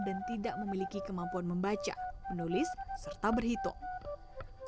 dan tidak memiliki kemampuan membaca menulis serta berhitung